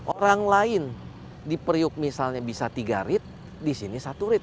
orang lain di periuk misalnya bisa tiga rit di sini satu rit